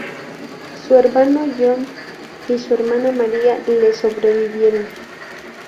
Su hermano John y su hermana Maria le sobrevivieron.